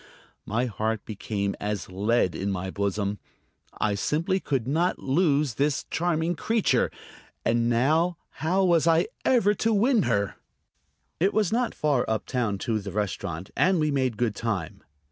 My heart became as lead in my bosom. I simply could not lose this charming creature. And now, how was I ever to win her? It was not far up town to the restaurant, and we made good time.